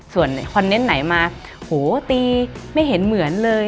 ส่วนคอนเทนต์ไหนมาโหตีไม่เห็นเหมือนเลย